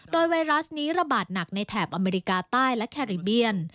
โดยไวรัสนี้ระบาดหนักในแถบอเมริกาใต้และแคริเบียน